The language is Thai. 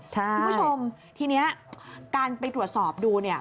คุณผู้ชมทีนี้การไปตรวจสอบดู